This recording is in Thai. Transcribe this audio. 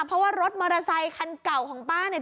เพราะว่ารถมรสัยคันเก่าของอารมณ์